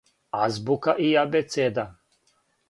азбука и абецеда